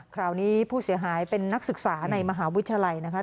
คราวนี้ผู้เสียหายเป็นนักศึกษาในมหาวิทยาลัยนะคะ